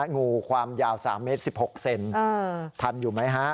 งูความยาว๓เมตร๑๖เซนทันอยู่ไหมฮะ